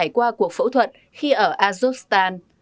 anh đã trải qua cuộc phẫu thuật khi ở azovstan